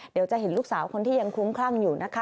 เดี๋ยวจะเห็นลูกสาวคนที่ยังคลุ้มคลั่งอยู่นะคะ